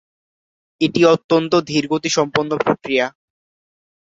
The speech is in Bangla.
এটি অত্যন্ত ধীরগতিসম্পন্ন প্রক্রিয়া।